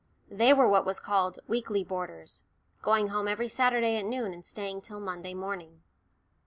They were what was called "weekly boarders," going home every Saturday at noon and staying till Monday morning.